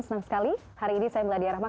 senang sekali hari ini saya meladi arama